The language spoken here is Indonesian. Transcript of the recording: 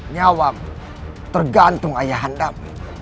nyawam tergantung ayah handam